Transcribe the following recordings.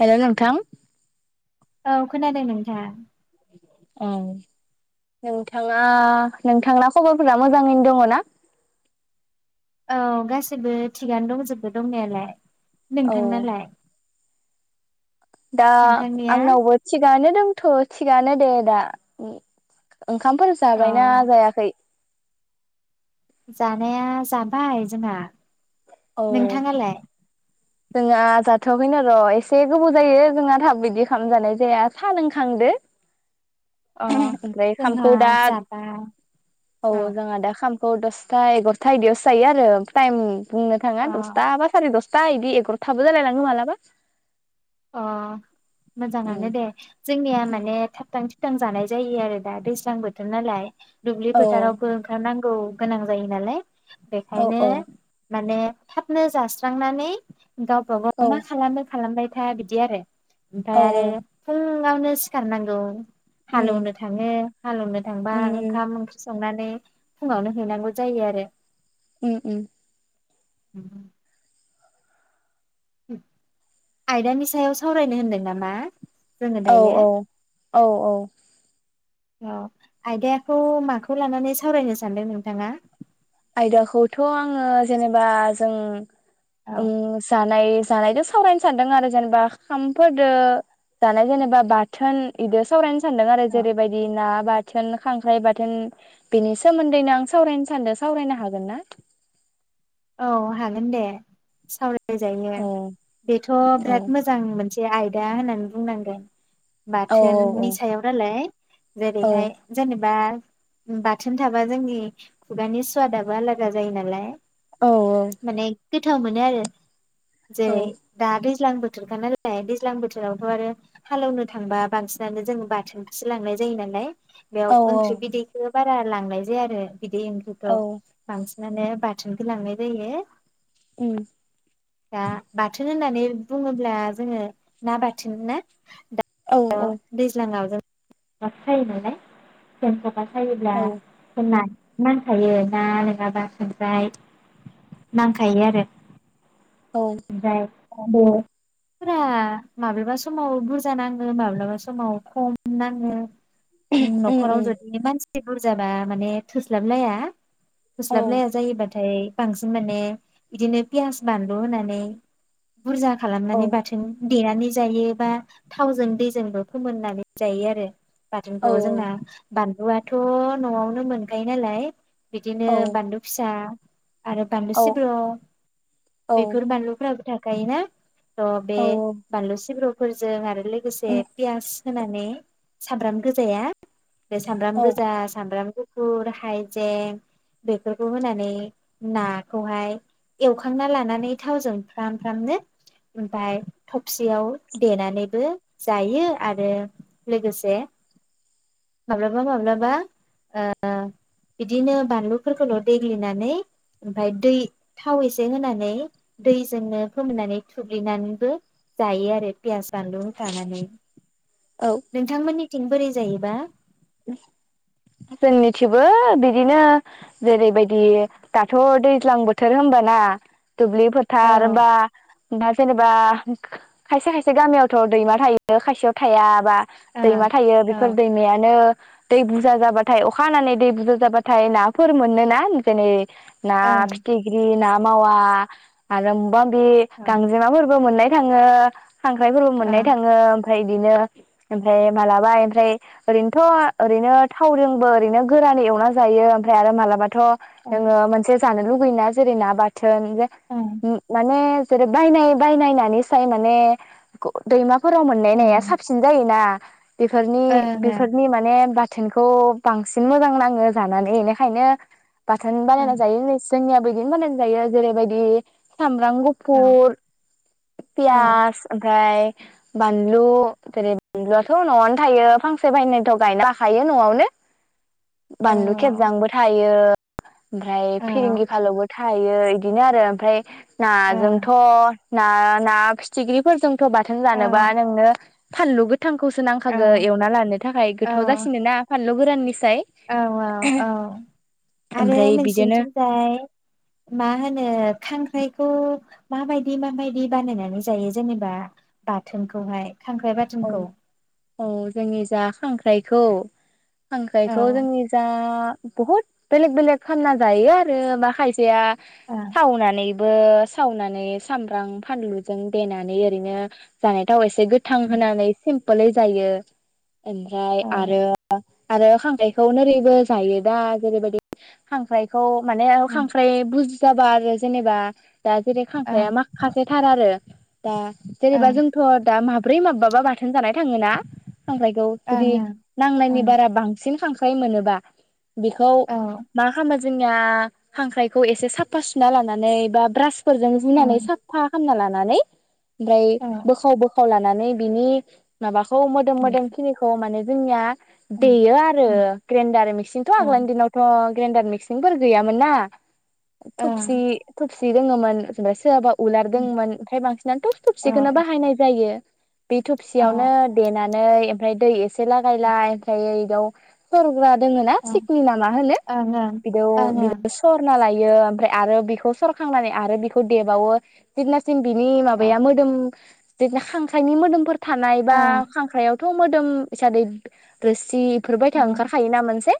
Hello नोंथां औ खोनादों नोंथां ओं नोंथाङा नोंथांना सबरफोरा मोजाङैनो दङना औ गासैबो थिगानो दंजोबो दंनायालाय औ नोंथांनालाय दा नोंथांनिया आंनावबो थिगानो दंथ थिगानो दे दा ओं ओंखामफोर अ जाबायना जायाखै जानाया जाबाय जोंहा औ नोंथाङालाय जोंहा जाथवाखैनो र एसे गोबाव जायो जोङा थाब बिदि खाम जानाय जाया सा लोंखांदो अ ओमफ्राय जोंहा खामखौ दा जाबाय औ जोंहा दा खामखौ दस था एग्र'था इदियावसो जायो आरो टाइमनि बुंनो थाङा अ दसथा बा सारि दस जा इदि एग्रथाबो जालाय लाङो मालाबा अ औ मोजाङानो दे जोंनिया माने थाब थां जां जानाय जायो आरो दा दैज्लां बोथोर नालाय दुब्लि औ फोथारावबो ओंखारनां गौ गोनां जायो नालाय औ बेखायनो माने थाबनो जास्रांनानै औ गावबागाव मा खालानो खालामबाय थाया बिदि आरो ओमफाय आरो औ फुं ङावनो सिखारनांगौ। उम हालौनो थाङो हालौनो थांबा उम ओंखाम ओंख्रि संनानै फुङावनो हैनांगौ जायो आरो उम उम [inaudible] आयदानि सायाव सावरायनो होनदों नामा जोङो औ औ दायो औ औ औ आयदायाथ' माखौ लानानै सावरायनो सानदों नोंथाङा? आयदाखौथ' आङो जेनेबा जों औ उम जानाय जानायजों सावरायनो सानदों आरो जेनेबा खाम फोरदो जानाय जेनेबा बाथोन इदो सावरायनो सानदों आरो औ जेरैबायदि ना बाथोन खांख्राय बाथोन बेनि सोमोन्दैनो आं सावरायनो सानदों सावरायनो हागोन ना? औ हागोन दे सावराय राय जायो औ बेथ औ बिराद मोजां मोनसे से आयदा होननानै बुंनांगोन। औ बाथोननि सायाव नालाय औ जेरैहाय जेनेबा बाथोन थाबा जोंनि खुगानि स्वादाबबो आलादा जायो नालाय। औ औ। माने गोथाव मोनो आरो जेरै औ दा दै ज्लां बोथोरखा नालाय दैज्लां बोथोरावथ आरो हालौनो थांबा बांसिनानो जोङो बाथोनखौसो लांनाय जायो नालाय। औ बेयाव ओंख्रि बिदैखो बारा लांनाय जाया आरो बिदै औ ओंख्रिखौ बांसि माने बाथोनखौ लांनाय जायो। उम। दा बाथोन होननानै बुङोब्ला जोङो ना बाथोन ना औ दा औ दैज्लाङाव जों [unintelligible] बा सायोब्ला औ होननाय नांखायो ना नङाबा खांख्राइ नांखायो आरो। औ जाय [unintelligible] फोरा माबेबा समाव बुरजा नाङो माब्लाबा समाव खम नाङो। उम न'खराव उम जुदि मानसि बुरजाना माने थोस्लाबलाया। औ फोस्लाबलाया जायोबाथाय बांसिन माने बिदिनो पियास बान लु होननानै बुरजा औ खालामनानै बाथोन देनानै जायो बा थावजों दैजोंबो फोमोननानै जायो आरो। बाथोनखौ औ जोंना बान बानलुआथ' न'आवनो मोनखायो नालाय बिदिनो औ बानलु फिसा आरो बानलु औ सिब्र' औ बेफोर बानलुफोर राबो थाखायो ना थ' बे औ बालु सिब्र' फोर जों आरो लोगोसे औ पियास होनानै सामब्राम गोजाया बे सामब्राम औ गोजा सामब्राम गुफ फुर हाइजें बेफोरखौ होनानै नाखौहाय एवखांना ला नानै थावजों फ्राम फ्रामनो ओमफाय थबसियाव देनानैबो जायो आरो लोगोसे माब्लाबा माब्लाबा ओ बिदिनो बानलुफोरखौल' देग्लिनानै ओमफ्राय दै थाव एसे होनानै नै दैजोंनो फोमोननानै थुुग्लिनानैबो जायो आरो पियास बानलु होबथानानै औ नोंथांमोननि थिं बोरै जायोबा? [inaudible] जोंनिथिबो बिदिनो जेरैबायदि दाथ' दैज्लां बोथोर होमबाना दुब्लि फोथार बा दा जेनेबा खायसे खायसे गामियावथ' दैमा थायो खायसेयाव थाया बा दैमा थायो बेफोर दैमायानो दै बुर बुरजा जाबाथाय अखा हानानै दै बुरजा जाबाथाय नाफोर मोनोना ना फितिग्रि ना मावा आरोमबां बे गांजेमाफोरबो मोननाय [unintelligible] खांख्राइफोरबो मोननाय थाङो। ओमफ्राय बिदिनो ओमफ्राय मालाबा ओमफ्राय ओरैनोथ ओरैनो थावजोंबो ओरैनो गोरानै एवना जायो ओमफ्राय आरो मालाबा थ जोङो मोनसे जानोलुबैयोना जेरै ना बाथ थोन जे माने जेरै बायनाय बायनाय नानिसाय माने दैमा फोराव मोननाय नाया साबसिन जायोना बेफोरनि बेफोरनि माने ब बाथोनखौ बांसिन मोजां नाङो जानानै बेनिखायनो बाथोन बानायना जायो होन जोंनिया बिदिनो बानायनाय जायो जेरैबायदि सामब्राम गुफुर पियास ओमफ्राय बानलु जेरै बानलुआथ न'आवनो थायो फांसे फांनैथ गायनो हाखा हायो न'आवनो बानलु खेबजांबो थायो। ओमफ्राय फिरिंगि फालौ थायो इदिनो आरो ओमफ्राय नाजोंथ' ना ना फिथिख्रिफोरजों थ बाथोन जानोबा नोंनो फानलु गोथ थांखौसो नांखागो एवना लानो थाखाय गोथाव जास फानलु गोराननि मिस औ औ औ आरो ओमफ्राय बिदिनो नोंसिनिथिंजाय मा होनो खांख्राइखौ माबायदि माबायदि बानायनानै जायो जेनेबा बाथोनखौहाय? खांख्राइ औ बाथोनखौ औ जोंनि जा खांख्राइखौ औ खांखायखौ जोंनि जा बहुद बेलेग बेलेग खामना जायो आरो मा खायसेया। ओं सावनानै ओ सावनानै सामब्रां फानलु जों देनानै ओरैनो जानाय थाव एसे गो थांहोनै सिम फोलै जायो ओमफ्राय ओं आरो आरो खांख्रायखौ नोरैबो जायो दा जेरैबायदि खांख्रायखौ माने ओ औ ओं खांख्राय बुजि गाबा आरो जेनेबा। दा जेरै ओं खांख्राया माखासे थार आरो। दा जेनेबा ओं जोंथ दा माब ब्रै माबाबा बाथोन जानाय थाङोना। खांख्रायखौ ओं जुदि नांनायनि ओं ओं बारा बांसिन खांखा फाय मोनोबा। बेखौ औ मा खामो जोंनिया खांख्रायखौ एसे साफा सुना लानानै बा ब्रास फोरजों जुनानै साफा खालामना लानो नानै ओमफ्राय ओं बोखाव बोखाव लाना नानै बिनि माबाख खौ मोदोम मोदोम खिनिखौ माने जोंनिया देयो आरो ग्रेन्डार मिक्सिनथ‌ औ आगोलनि दिनावथ ग्रेन्डार मिक्सिनफोर गैयामोन ना । थुपसि ओं थुप थबसि दङोमोन ओमफ्राय सोराबा उलारदोंमोन ओमफ्राय बांसिनानो ओं औ थब-थबसिखौनो बाहायनाय जायो बि औ थफसियावनो देनानै नै ओमफ्राय दै एसे लागायलाय ओमफ्राय ओयाव [unintelligible] दङ ना ओं सिकनि ना मा होनो ओं बिदि ओं ओं बि सरना लायो सदियों मफ्राय आरो बेखौ सरखांनानै आरो बेखौ देबावो जेब्लासिम जों बिनि औ माबाया मोदोम बिदिनो [unintelligible] [unintelligible] मोदोमफोर थानाय बा ओं खांख्राइायाव थ मोदोम हिसादै रोसिफोर ओं बायथा ओंखारखायोना मोनसे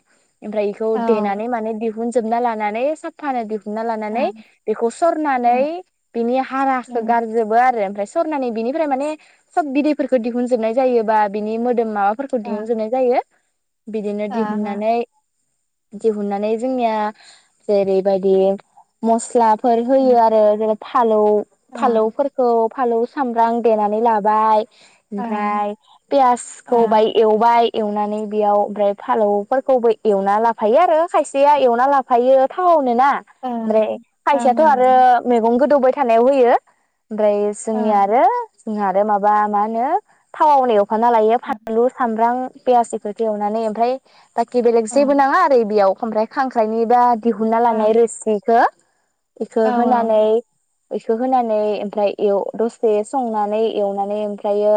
ओमफ्राय बेखौ ओं देनानै माने मोनजोबना लानानै साफानो दि ना लानानै बेखौ सरनानै बिनि हाराखौ गारजोबो आरो ओमफ्राय सरनानै बिनिफ्राय माने सब बिदैफोरखौ दिहुनजोबनाय जायोबा बिनि मोदोम माबा फोरफोरखौ दिहुनजनाय जायो। बिदिनो दिहुननानै दिहुननानै जोंनिया जेरैबायदि मस्ला फोर होयो आरो जेनबा फालौ फालौफोरखौ फालौ सामब्रां देनानै लाबाय ओमफ्राय पियासखौ बाय एवबाय एवनानै बेयाव ओमफ्राय फालौफोरखौबो एवना लाफायो आरो खायसेया एवना लाफायो थाव होनो ना ओमफ्राय ओं ओं खायसेथ आरो ओं मैगं गोदौबाय खानायाव होयो । ओमफ्राय ओं जोंनिया आरो जोंहा आरो माबा मा होनो थावआव होनायाव ना लायो ओं फानलु सामब्रां पियास इफोरखो एवनानै ओमफ्राय बाखि बेलेग ओं जेबो नाङा आरो बेयाव ओमफ्राय खांख्राइनि बा दिहुनना ओं लानाय रोसिखो बिखो औ होनानै इखो होनानै ओमफ्राय एव दसे स संनानै एवनानै ओमफ्रायो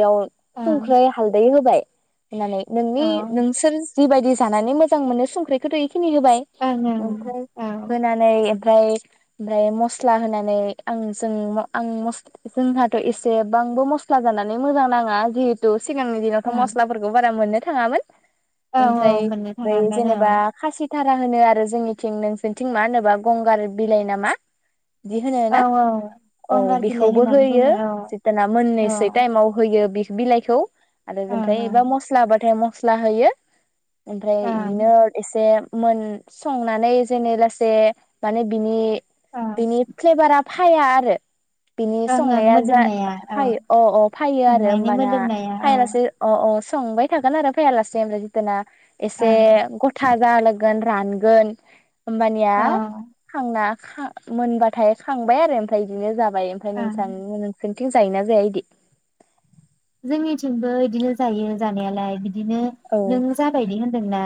इयाव ओं सुंख्रै हालदै होबाय। होनानै नोंनि औ नोंसोर जिबायदि जानानै मोजां मोनो संख्रिखौथ इ खिनि होबाय ओं ओं ओमफाय औ होनानै ओमफ्राय ओमफ्राय मस्ला होनानै आं जों म आं मस जोंहाथ एसेबांबो मस्ला जानानै मोजां नाङा जिहेथु। सिगांनि दिनावथ ओं मस्लाफोरखौ बारा मोनो था थाङामोन। औ ओमफ्राय फ्राय मोननो बै थाङामोन औ जेनेबा खासि थारा होनो आरो जोंनिथिं नोंसोरनिथिं मा होनोबा गंगार बिलाइ नामा औ औ गंगार बिल खौबो होयो जिताना मोननोसै ओं टाइमाव होयो बिख बिलाइखौ आरो ओं बेनफ्राय एबा मस्लाबाथाय‌ मस स्ला होयो ओमफ्राय ओं इदिनो एसे मोन संनानै जेने लासे माने बिनि ओं बिनि फ्लेबारा फाया आरो बिनि ओं ओं संनाया जा मोदोमनाया औ फाय अ अ फायो आरो संनायनि ओमबाना मोदोमनाया औ फायालासे अ अ स संबाय थागोन आरो फैयालासे ओमफ्राय जिताना एसे ओं गथा जालोग गोन रानगोन होमबानिया औ खांना खा मोनबाथाय खांबाय आरो ओमफ्राय इदिनो जाबाय। ओमफाय ओं नोंथां नोंसि [unintelligible] जायोना जाया इदि? जोंनिथिंबो इदिनो जायो जानायालाय बि बिदिनो औ नों जाबायदि होनदोंना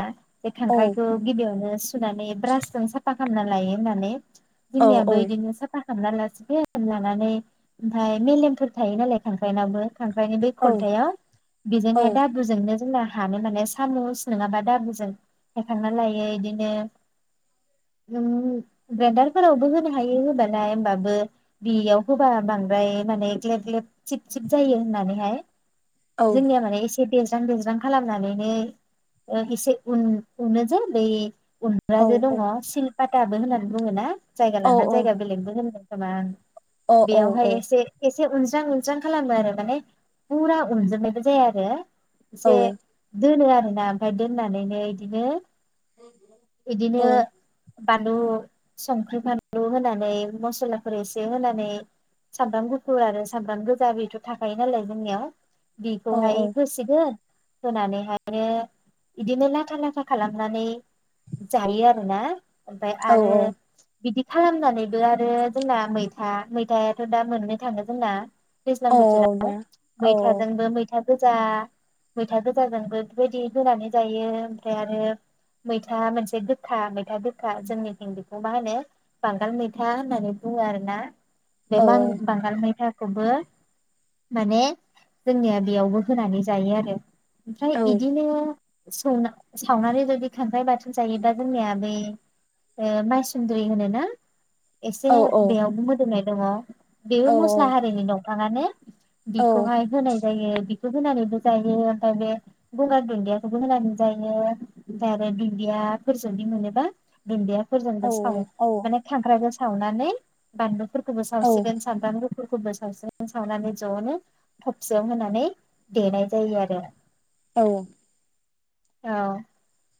बे औ खांख्रायखौ गिबियावनो सुनानै ब्रास जों साफा खालामना लायो होननानै। औ औ जोंनियाबो इदिनो साफा खांना लासिगोन लानानै ओमफाय मेलेमफोर थायो नालाय खांख्राइनावबो खां ओमफाय बे औ खलथायाव औ बेजोंहाय दाबुजोंनो जोंना हानो माने सामुस नङाबा दाबुजों हायखांना लायो इदिनो नों ग्रायनडारफोरावबो होनो हायो होबालाय ओमबाबो बियाव होबा बांद्राय माने ग्लेब ग्लेब थिब थिब जायो होनानैहाय औ जोंनिया माने एसे देरज्रां देरज्रां खालामनानैनो ओ एसे उन उनो जे बै औ उन्द्राजे दङ सिलपात दाबो होननानै बुङो‌ना जायगा लाना जायगा औ बेलेगबो होनो औ [unintelligible] औ बेयावहाय औ एसे एस एसे उनस्रां उनस्रां खालामो आरो माने फुरा उनजोबनायबो जाया आरो। औ एसे दोनो आ ना ओमफाय दोननानैनो इदिनो इदिनो औ बानलु संख्रि फानलु होनानै मसलाफोर एसे होनानै सामब्राम गुफुर आरो सामब्राम गोजा बेथ थाख थायो‌नालाय जोंनिआव। औ बेखौहाय होसिगोन। होनानैहायनो इदिनो लाथा लाथा खालामनानै जायो आरोना। ओमफाय औ आरो बिदि खालामनानैबो आरो जोंना मैथा मैथायाथ दा मोननो थाङो जोंना । दैज्लां औ औ बोथोरा दा औ औ। मैथा गोजा मैथा गोजाजोंबो बेबायदि होनानै जायो ओमफ्राय आरो मैथा मोनसे गोखा मै मैथा गोखा जोंनिथिं बेखौ मा होनो बांगाल मैथा होननानै बुङो आरोना। बे औ मां बांगाल मैथा खौबो माने जोंनिया बेयावबो होनानै जायो आरो। ओमफ्राय औ इदिनो संना सावनानै जुदि खांख्राइ बाथोन जायोबा जोंनिया बे ओ मायसुन्दुरि होनो ना? एसे औ बेयावबो मोदोमनाय दङ। बेबो औ मस्ला हारिनि दं। थारमाने औ बिखौहाय होनाय जायो बेखौ होनानैबो जायो ओमफाय बे गंगार दुन्दियाखौबो होनानै जायो ओमफाय आरो दुदियाफोरजोंदि मोनोबा दुन्दिया फोरजोंबो सावो माने खांख्रायखो सावनानै बानलु फोरखौबो सावसिगोन सानफ्राम गुफु फोरखौबो सावसिगोन सावनानै जनो थबसियाव होनानै देनाय जायो आरो। औ। औ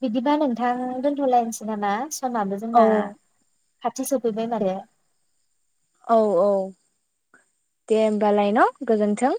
बिदिबा नोंथां दोनथलायनोसै नामा? समाबो औ जोंना खाथि सौफैबाय माथो औ औ दे होमबालाय न गोजोन्थों।